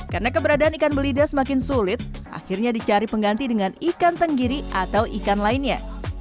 karena keberadaan ikan belida semakin sulit akhirnya dicari pengganti dengan ikan tenggiri atau ikan lainnya